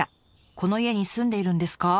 この家に住んでいるんですか？